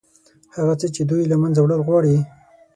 هغه څه چې دوی له منځه وړل غواړي.